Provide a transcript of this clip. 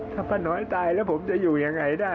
ถ้าป้าน้อยตายแล้วผมจะอยู่ยังไงได้